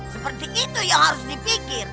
seperti itu yang harus dipikir